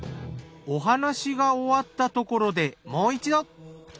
お話が終わったところでもう一度！